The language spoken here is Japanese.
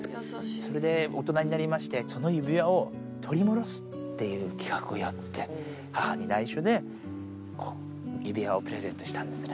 それで大人になりまして、その指輪を取り戻すっていう企画をやって、母に内緒で、指輪をプレゼントしたんですね。